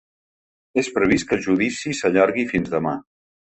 És previst que el judici s’allargui fins demà.